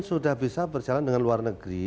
sudah bisa berjalan dengan luar negeri